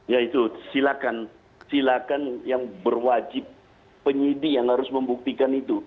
ya itu silakan silakan yang berwajib penyidik yang harus membuktikan itu